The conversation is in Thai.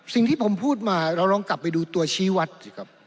สิ่งที่ผมพูดมาเราลองกลับไปดูตัวชีวัตต์